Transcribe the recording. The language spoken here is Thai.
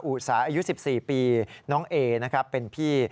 อุตสาห์อายุ๑๔ปีน้องเอ๋เป็นพี่